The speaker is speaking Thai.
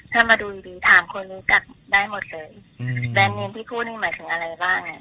ถ้ามาดูดีดีถามคนรู้จักได้หมดเลยอืมแบรนด์เนมที่พูดนี่หมายถึงอะไรบ้างอ่ะ